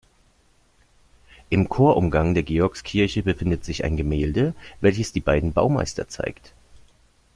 Im Chorumgang der Georgskirche befindet sich ein Gemälde, welches die beiden Baumeister zeigt.